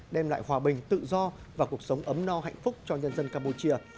đem lại hòa bình tự do và cuộc sống ấm no hạnh phúc cho nhân dân campuchia